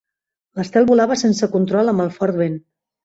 L'estel volava sense control amb el fort vent.